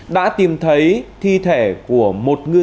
đã tìm thấy thi thể của một người